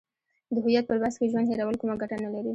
د هویت پر بحث کې ژوند هیرول کومه ګټه نه لري.